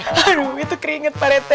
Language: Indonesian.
aduh itu keringet pak rete